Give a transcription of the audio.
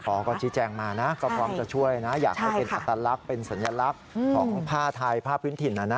พอก็ชี้แจงมานะก็พร้อมจะช่วยนะอยากให้เป็นอัตลักษณ์เป็นสัญลักษณ์ของผ้าไทยผ้าพื้นถิ่นนะนะ